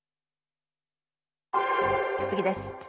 次です。